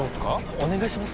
お願いします